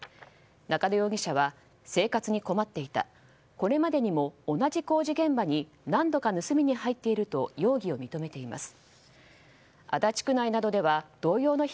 中野容疑者は生活に困っていたこれまでにも同じ工事現場に何度か盗みに入っていると容疑を認めています。